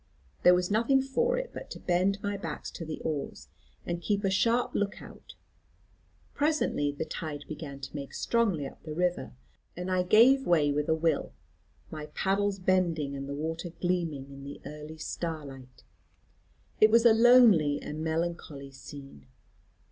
There was nothing for it but to bend my back to the oars, and keep a sharp look out. Presently the flood began to make strongly up the river, and I gave way with a will, my paddles bending and the water gleaming in the early starlight. It was a lonely and melancholy scene.